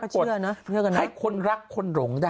ให้คนรักคนหลงได้